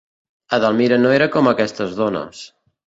Edelmira no era com aquestes dones.